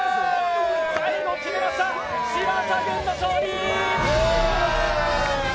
最後決めました、嶋佐軍の勝利！